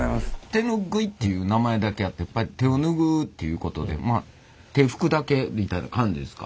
手ぬぐいっていう名前だけあってやっぱり手をぬぐうっていうことで手拭くだけみたいな感じですか？